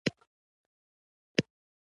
الوتکه د طبیعي پېښو څېړلو لپاره کارېږي.